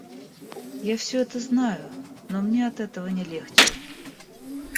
Я всё это знаю, но мне от этого не легче.